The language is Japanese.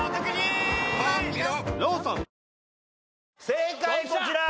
正解こちら！